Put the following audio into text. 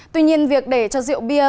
tuy nhiên việc để cho rượu bia